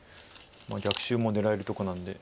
逆襲も狙えるとこなんで。